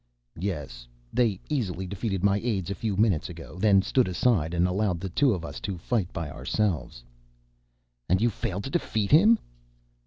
"Yes. They easily defeated my aides a few minutes ago, then stood aside and allowed the two of us to fight by ourselves." "And you failed to defeat him?"